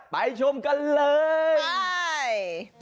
ไปชมกันเลย